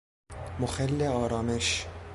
مخل آرامش